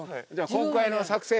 今回の作戦。